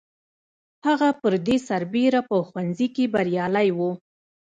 هغه پر دې سربېره په ښوونځي کې بریالی و